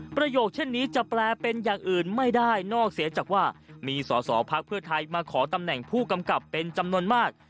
ประโยคเช่นนี้จะแปลเป็นอย่างอื่นไม่ได้นอกเสียจากว่ามีสอสอพักเพื่อไทยมาขอตำแหน่งผู้กำกับเป็นจำนวนมาก